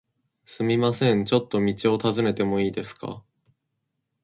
すみません、ちょっと道を尋ねてもいいですか？